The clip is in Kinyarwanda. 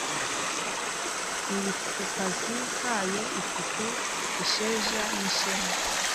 Iri kukazi kayo ifitiye isheja n' ishema